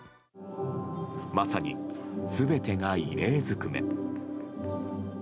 まさに全てが異例ずくめ。